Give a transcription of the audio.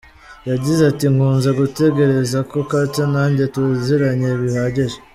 Yagize ati "Nkunze gutekereza ko Carter nanjye tuziranye bihagije.